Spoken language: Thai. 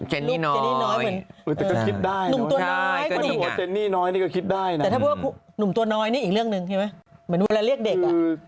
เหมือนเวลาเรียกเด็ก